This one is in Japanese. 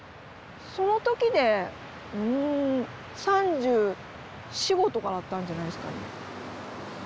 その時でうん３４３５とかだったんじゃないですかね。